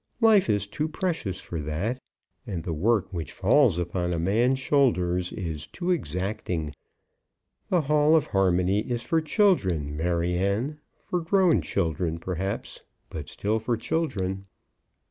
Life is too precious for that; and the work which falls upon a man's shoulders is too exacting. The Hall of Harmony is for children, Maryanne; for grown children, perhaps, but still for children."